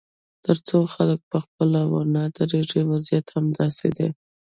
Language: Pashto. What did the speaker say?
تر څو خلک پخپله ونه درېږي، وضعیت همداسې دی.